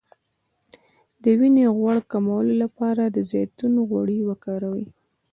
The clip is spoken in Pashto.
د وینې غوړ کمولو لپاره د زیتون غوړي وکاروئ